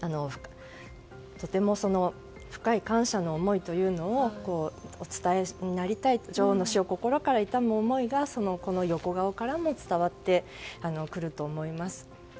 とても深い感謝の思いというのをお伝えになりたいと女王の死を心から悼む思いがこの横顔からも伝わってくると思います。